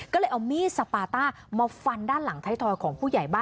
ก็เลยเอามีดสปาต้ามาฟันด้านหลังไทยทอยของผู้ใหญ่บ้าน